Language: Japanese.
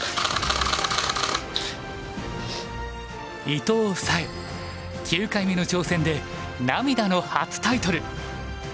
伊藤沙恵９回目の挑戦で涙の初タイトル。